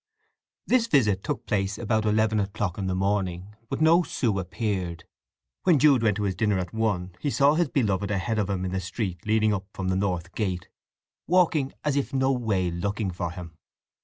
This visit took place about eleven o'clock in the morning; but no Sue appeared. When Jude went to his dinner at one he saw his beloved ahead of him in the street leading up from the North Gate, walking as if no way looking for him.